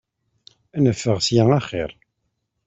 Ad neffeɣ ssya axir!